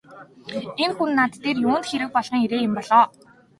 Энэ хүн над дээр юунд хэрэг болгон ирээ юм бол оо!